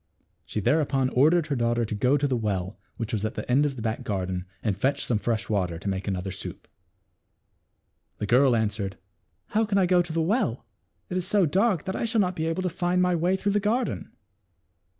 She thereupon ordered her daughter to go to the well, which was at the end of the back gar den, and fetch some fresh water, to make an :jV° !k 244 THE WITCH'S TREASURES. other soup. The girl answered, "How can I go to the well ? It is so dark that I shall not be able to find my way through the garden."